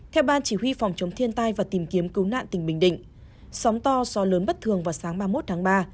theo ban chỉ huy phòng chống thiên tai và tìm kiếm cứu nạn tỉnh bình định sóng to gió lớn bất thường vào sáng ba mươi một tháng ba